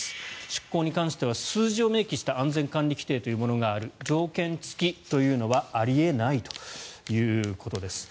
出港に関しては数字を明記した安全管理規程というのがある条件付きというのはあり得ないということです。